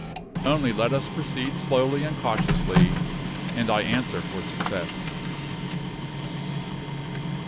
Only let us proceed slowly and cautiously, and I answer for success."